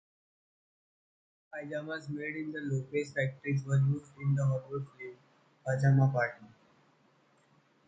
Pajamas made in the Lopez Factories were used in the Hollywood Film, Pajama Party.